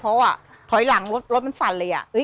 เพราะว่าถอยหลังรถมันสั่นเลย